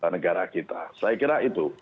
negara kita saya kira itu